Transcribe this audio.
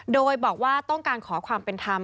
โดยบอกว่าต้องการขอความเป็นธรรม